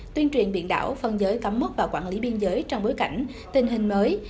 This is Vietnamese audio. tuyên truyền biển đảo phân giới cắm mốc và quản lý biên giới trong bối cảnh tình hình mới